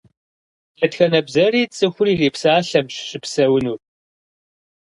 Дэтхэнэ бзэри цӏыхур ирипсалъэмэщ щыпсэунур.